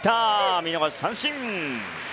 見逃し三振！